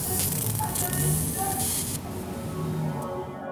حرص او غرور -